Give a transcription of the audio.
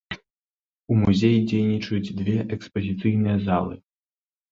У музеі дзейнічаюць дзве экспазіцыйныя залы.